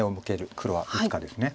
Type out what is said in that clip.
黒は打つかですね。